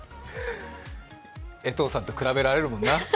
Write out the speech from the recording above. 江藤さんと比べられるもんな。